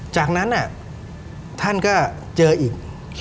จากนั้นท่านก็เจออีก